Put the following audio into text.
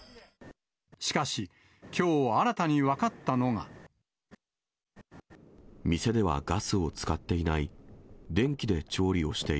しかし、きょう新たに分かったの店ではガスを使っていない。